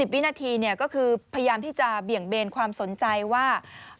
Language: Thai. วินาทีก็คือพยายามที่จะเบี่ยงเบนความสนใจว่า